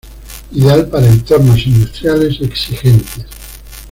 Ideal para entornos industriales exigentes.